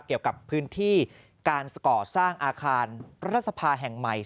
เกี่ยวกับพื้นที่การก่อสร้างอาคารรัฐสภาแห่งใหม่